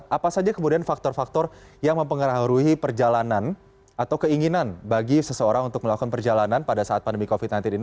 apa saja kemudian faktor faktor yang mempengaruhi perjalanan atau keinginan bagi seseorang untuk melakukan perjalanan pada saat pandemi covid sembilan belas ini